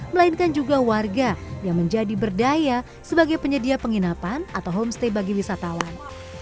melainkan juga warga yang menjadi berdaya sebagai penyedia penginapan atau homestay bagi wisatawan